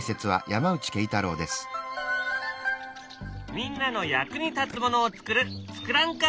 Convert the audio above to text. みんなの役に立つものを作るツクランカーの部屋。